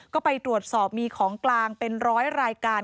ก็ไปตรวจสอบมีของกลางเป็นร้อยรายการ